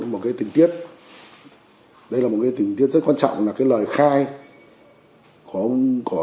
một cái tình tiết đây là một cái tình tiết rất quan trọng là cái lời khai của điểm này không phù hợp với cái hiện trường xảy ra